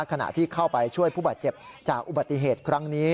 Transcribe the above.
ขณะที่เข้าไปช่วยผู้บาดเจ็บจากอุบัติเหตุครั้งนี้